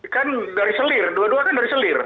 kan dari selir dua dua kan dari selir